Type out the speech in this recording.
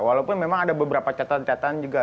walaupun memang ada beberapa catatan catatan juga